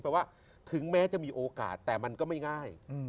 ว่าถึงแม้จะมีโอกาสแต่มันก็ไม่ง่าย